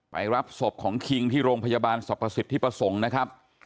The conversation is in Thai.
ไปรับศพของคิงที่โรงพยาบาลศัพท์ประสิทธิ์ที่ประสงค์นะครับ